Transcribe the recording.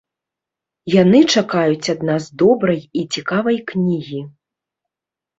Яны чакаюць ад нас добрай і цікавай кнігі.